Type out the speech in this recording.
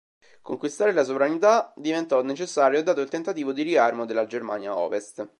Conquistare la sovranità diventò necessario dato il tentativo di riarmo della Germania Ovest.